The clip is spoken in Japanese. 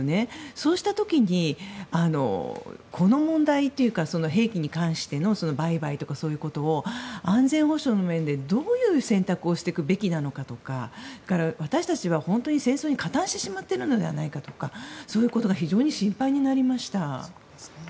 そうした時に、この問題というか兵器に関しての売買とかそういうことを安全保障の面で、どういう選択をしていくべきなのかとか私たちは本当に戦争に加担してしまっているのではないかとかそういうことが非常に心配になりました。